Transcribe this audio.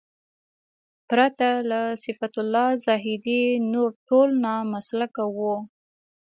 پرته له صفت الله زاهدي نور ټول نامسلکه وو.